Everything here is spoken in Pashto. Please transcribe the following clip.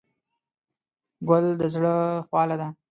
ګل د زړه خواله ده.